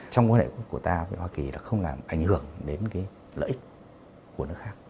trong quan hệ của ta với hoa kỳ là không làm ảnh hưởng đến cái lợi ích của nước khác